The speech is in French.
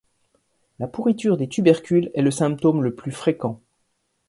La pourriture des tubercules est le symptôme le plus fréquent.